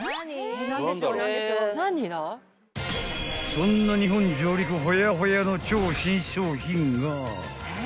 ［そんな日本上陸ほやほやの超新商品が］